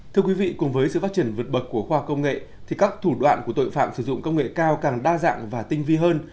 thưa quý vị cùng với sự phát triển vượt bậc của khoa công nghệ thì các thủ đoạn của tội phạm sử dụng công nghệ cao càng đa dạng và tinh vi hơn